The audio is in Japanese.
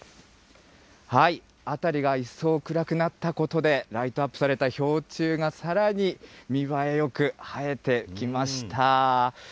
辺りが一層暗くなったことで、ライトアップされた氷柱がさらに見栄えよく映えてきました。